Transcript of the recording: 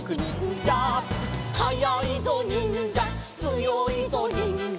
「はやいぞにんじゃつよいぞにんじゃ」